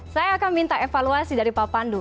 saya akan minta evaluasi dari pak pandu